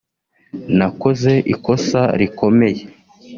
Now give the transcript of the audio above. “Nakoze ikosa rikomeye